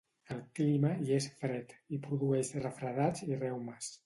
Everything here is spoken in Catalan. El clima hi és fred, i produeix refredats i reumes.